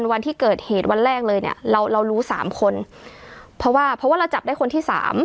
วันที่เกิดเหตุวันแรกเลยเนี่ยเรารู้๓คนเพราะว่าเราจับได้คนที่๓